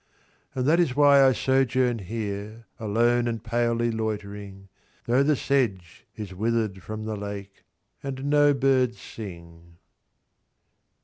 XII.And this is why I sojourn here, Alone and palely loitering, Though the sedge is wither'd from the lake, And no birds sing.